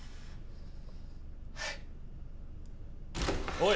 おい！